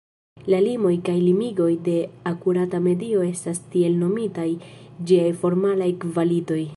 La limoj kaj limigoj de akurata medio estas tiel nomitaj ĝiaj formalaj kvalitoj.